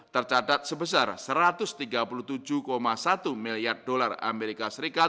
tercatat sebesar satu ratus tiga puluh tujuh satu miliar dolar as